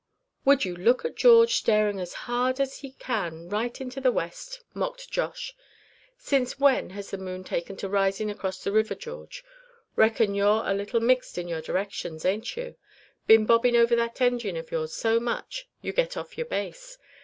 "Would you look at George, starin' as hard as he can right into the west?" mocked Josh. "Since when has the moon taken to risin' across the river, George? Reckon you're a little mixed in your directions, ain't you? Been bobbing over that engine of yours so much you get off your base.